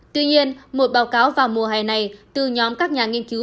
tuy nhiên một báo cáo vào mùa hè này từ nhóm các nhà nghiên cứu